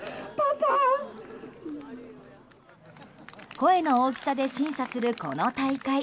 声の大きさで審査するこの大会。